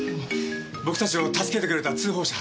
僕たちを助けてくれた通報者。